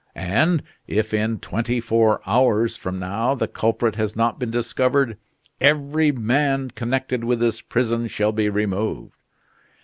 And if, in twenty four hours from now, the culprit has not been discovered, every man connected with this prison shall be removed."